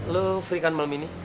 lo free kan malam ini